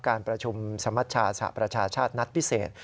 การประชุมสมัชชาสหประชาชาตินัดพิเศษ